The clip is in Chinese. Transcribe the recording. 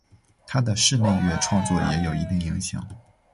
他的室内乐创作也有一定影响。